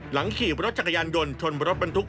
หลังขี่ประรดิสัตว์รถจังหยานยนต์ชนปรสบันทุฯ